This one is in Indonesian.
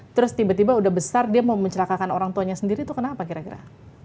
terus tiba tiba udah besar dia mau mencelakakan orang tuanya sendiri itu kenapa kira kira